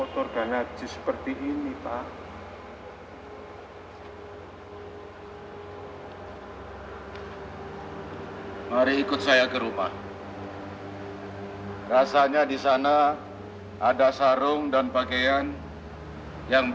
sampai jumpa di video selanjutnya